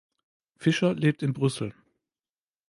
Fischer lebt in Brüssel.